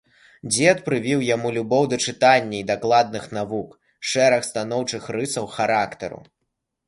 Дзед прывіў яму любоў да чытання і дакладных навук, шэраг станоўчых рысаў характару.